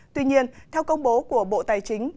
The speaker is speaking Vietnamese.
tuy nhiên theo công bố của bộ tài chính